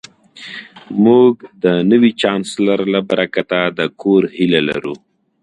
موږ د نوي چانسلر له برکته د کور هیله لرو